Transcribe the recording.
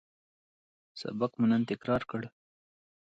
سبق مو نن تکرار کړ